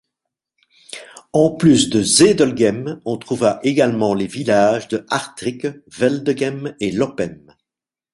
En plus de Zedelgem, on trouve également les villages de Aertrycke, Veldegem et Loppem.